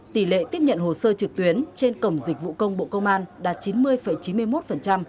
tỷ lệ tiếp nhận hồ sơ trực tuyến trên cổng dịch vụ công bộ công an đạt chín mươi chín mươi một